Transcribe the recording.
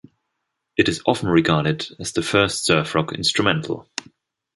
It is often regarded as the first surf rock instrumental.